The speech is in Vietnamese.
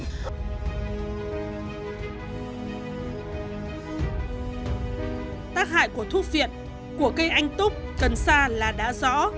tác hại của thuốc viện của cây anh túc cần xa là đã rõ